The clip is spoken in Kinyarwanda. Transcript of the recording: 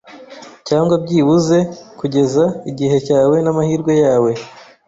Cyangwa byibuze kugeza igihe cyawe n'amahirwe yawe